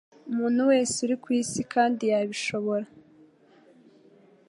umuntu wese uri kw'isi kandi yabishobora